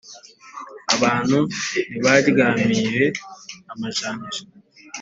abantu ntibaryamire amajanja